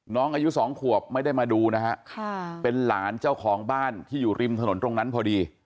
น้องอายุสองขวบไม่ได้มาดูนะฮะค่ะเป็นหลานเจ้าของบ้านที่อยู่ริมถนนตรงนั้นพอดี